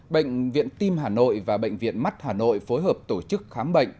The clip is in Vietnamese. bệnh viện tim hà nội và bệnh viện mắt hà nội phối hợp tổ chức khám bệnh